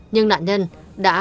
nhưng nạn nhân đã không thể đứng lại